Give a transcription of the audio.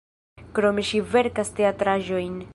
Krome ŝi verkas teatraĵojn.